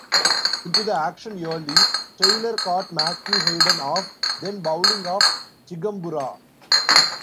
Into the action early, Taylor caught Matthew Hayden off then bowling of Chigumbura.